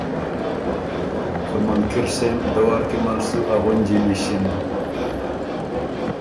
که منکِر سېم دوار کی مل سُو ا غُنجی نِݭِن